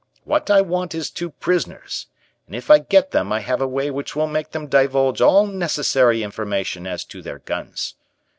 What I want is two prisoners and if I get them I have a way which will make them divulge all necessary information as to their guns.